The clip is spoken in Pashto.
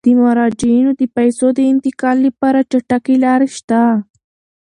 د مراجعینو د پيسو د انتقال لپاره چټکې لارې شته.